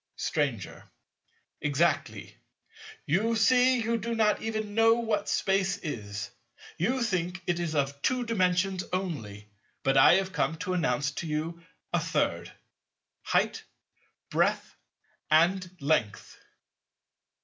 Stranger. Exactly: you see you do not even know what Space is. You think it is of Two Dimensions only; but I have come to announce to you a Third—height, breadth, and length.